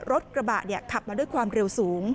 รถกระบะขับมาด้วยความเร็วสูง